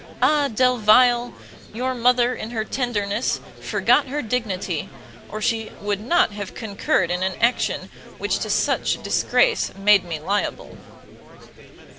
Ah Delvile! your mother, in her tenderness, forgot her dignity, or she would not have concurred in an action which to such disgrace made me liable!"